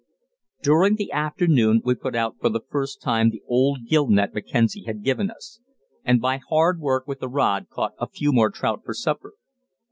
During the afternoon we put out for the first time the old gill net Mackenzie had given us, and by hard work with the rod caught a few more trout for supper.